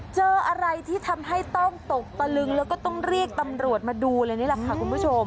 เจออะไรที่ทำให้ต้องตกตะลึงแล้วก็ต้องเรียกตำรวจมาดูเลยนี่แหละค่ะคุณผู้ชม